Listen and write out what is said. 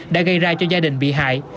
đã gây ra cho gia đình bị hại